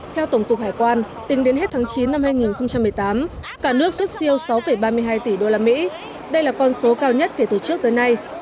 theo tổng cục hải quan tính đến hết tháng chín năm hai nghìn một mươi tám cả nước xuất siêu sáu ba mươi hai tỷ usd đây là con số cao nhất kể từ trước tới nay